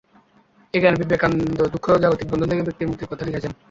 এই গানে বিবেকানন্দ দুঃখ ও জাগতিক বন্ধন থেকে ব্যক্তির মুক্তির কথা লিখেছেন।